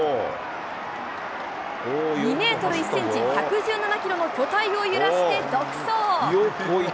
２メートル１センチ、１１７キロの巨体を揺らして独走。